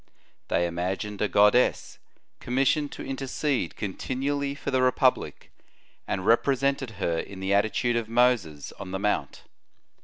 They imagined a goddess, commissioned to intercede continually for the republic, and represented her in the attitude of Moses on the Mount.